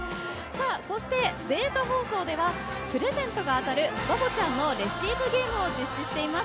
そしてデータ放送ではプレゼントが当たるバボちゃんのレシーブゲームを実施しています。